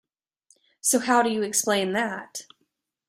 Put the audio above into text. So, how do you explain that?